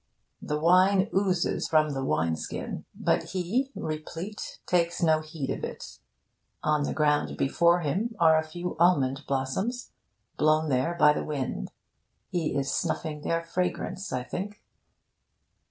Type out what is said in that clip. The wine oozes from the wine skin; but he, replete, takes no heed of it. On the ground before him are a few almond blossoms, blown there by the wind. He is snuffing their fragrance, I think.